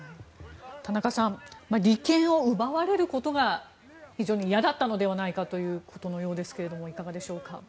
田中さん利権を奪われることが非常に嫌だったのではないかということのようですがいかがでしょうか。